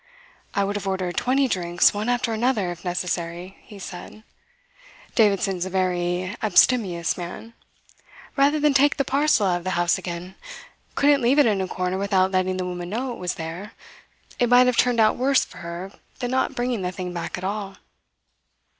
"I would have ordered twenty drinks one after another, if necessary," he said Davidson's a very abstemious man "rather than take that parcel out of the house again. Couldn't leave it in a corner without letting the woman know it was there. It might have turned out worse for her than not bringing the thing back at all."